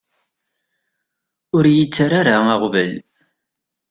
Ur iyi-ttara ara aɣbel.